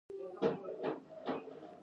د جوارو دانی ژیړې وي